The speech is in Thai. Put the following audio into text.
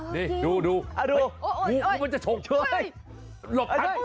นี่ดูกูมันจะฉกเชื้อ